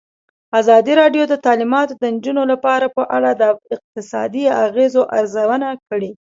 ازادي راډیو د تعلیمات د نجونو لپاره په اړه د اقتصادي اغېزو ارزونه کړې.